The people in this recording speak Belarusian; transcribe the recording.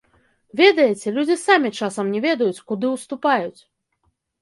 Ведаеце, людзі самі часам не ведаюць, куды ўступаюць!